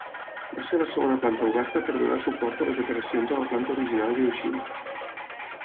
Va ser la segona planta oberta per donar suport a les operacions a la planta original d'Hiroshima.